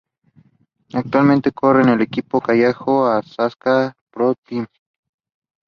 Actualmente corre en el equipo kazajo Astana Pro Team.